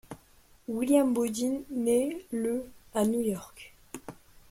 William Beaudine naît le à New York.